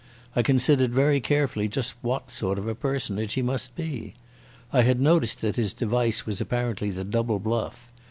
I considered very carefully just what sort of personage he must be. I had noticed that his device was apparently the Double Bluff.